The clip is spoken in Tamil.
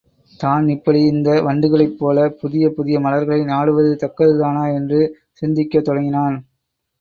தான் இப்படி இந்த வண்டுகளைப் போலப் புதிய புதிய மலர்களை நாடுவது தக்கதுதானா என்று சிந்திக்கத் தொடங்கினான்.